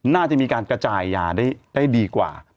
น่าจะมีการกระจายยาได้ดีกว่า